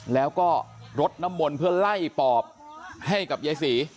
แล้วก็รดน้ำมนต์เพื่อไล่ปอบให้กับยายศรี